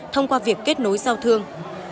thông qua việc kết nối giao thương